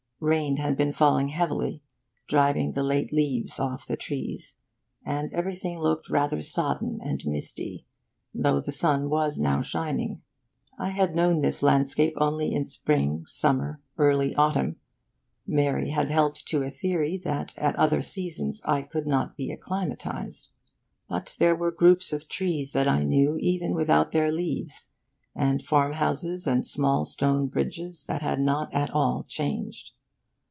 Rain had been falling heavily, driving the late leaves off the trees; and everything looked rather sodden and misty, though the sun was now shining. I had known this landscape only in spring, summer, early autumn. Mary had held to a theory that at other seasons I could not be acclimatised. But there were groups of trees that I knew, even without their leaves; and farm houses and small stone bridges that had not at all changed.